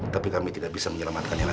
tapi kami tidak bisa menyelamatkannya